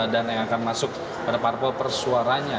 dan yang akan masuk pada parpol persuaranya